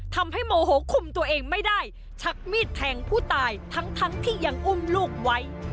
โมโหคุมตัวเองไม่ได้ชักมีดแทงผู้ตายทั้งทั้งที่ยังอุ้มลูกไว้